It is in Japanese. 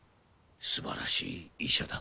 素晴らしい医者だ。